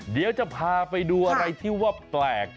เดี๋ยวจะพาไปดูอะไรที่ว่าแปลก